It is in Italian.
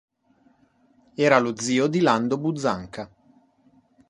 Era lo zio di Lando Buzzanca.